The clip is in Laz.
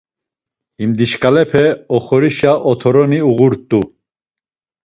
Him dişǩalepe oxorişa otoroni uğurt̆u.